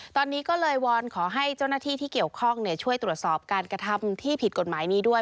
ตอนนี้ก็เลยวอนขอให้เจ้าหน้าที่ที่เกี่ยวข้องช่วยตรวจสอบการกระทำที่ผิดกฎหมายนี้ด้วย